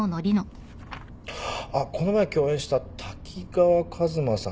あっこの前共演した滝川和馬さん